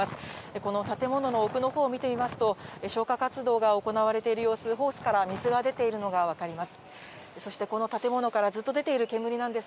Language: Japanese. この建物の奥のほう見てみますと、消火活動が行われている様子、ホースから水が出ているのが分かります。